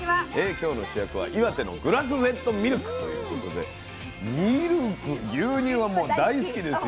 今日の主役は岩手のグラスフェッドミルクということでミルク牛乳はもう大好きですよ。